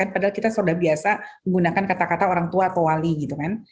padahal kita sudah biasa menggunakan kata kata orang tua atau wali gitu kan